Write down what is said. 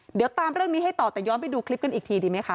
เดี๋ยวตามเรื่องนี้ให้ต่อแต่ย้อนไปดูคลิปกันอีกทีดีไหมคะ